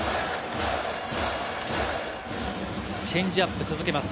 チェンジアップ、続けます。